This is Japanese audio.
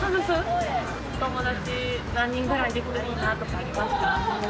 友達何人ぐらい出来たらいいなとかありますか？